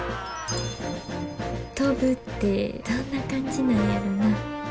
飛ぶってどんな感じなんやろな。